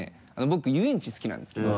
僕遊園地好きなんですけど。